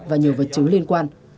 và nhiều vật chứng liên quan